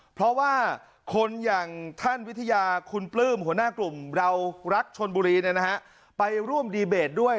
เพราะว่าคนอย่างท่านวิทยาคุณปลื้มหัวหน้ากลุ่มเรารักชนบุรีไปร่วมดีเบตด้วย